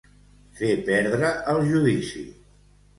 Fer perdre el judici.